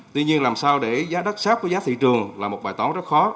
tuy nhiên làm sao để giá đất sát với giá thị trường là một bài tóng rất khó